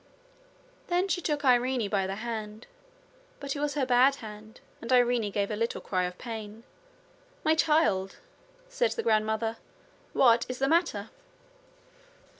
Then she took Irene by the hand, but it was her bad hand and Irene gave a little cry of pain. 'My child!' said her grandmother, 'what is the matter?'